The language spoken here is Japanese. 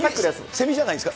セミじゃないです。